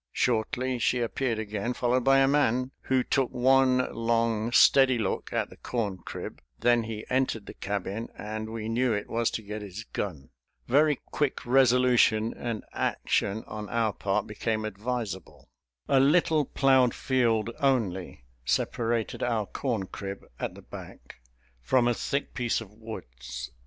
Shortly she appeared again, followed by a man, who took one long steady look at the corn crib; then he entered the cabin, and we knew it was to get his gun. Very quick resolution and action on our part became advisable. A little plowed field only separated our corn crib, at the back, from a thick piece of woods.